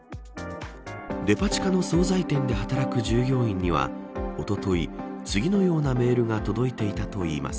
デパ地下の総菜店で働く従業員にはおととい、次のようなメールが届いていたといいます。